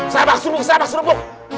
sabah serbuk sabah serbuk